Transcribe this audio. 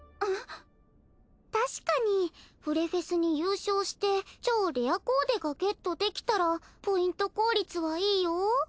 確かにフレフェスに優勝して超レアコーデがゲットできたらポイント効率はいいお？